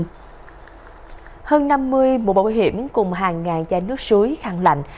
hơn năm mươi mùa bầu hiểm cùng hàng ngàn chai nước suối khăn lạnh